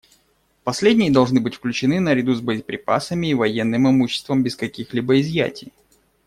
Последние должны быть включены наряду с боеприпасами и военным имуществом без каких-либо изъятий.